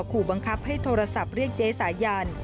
ขู่บังคับให้โทรศัพท์เรียกเจ๊สายัน